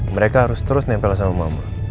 mereka harus terus nempel sama mama